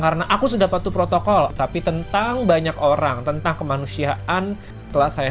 karena aku sudah patut protokol tapi tentang banyak orang tentang kemanusiaan telah saya